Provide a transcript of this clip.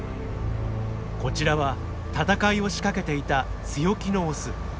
こちらは闘いをしかけていた強気のオス。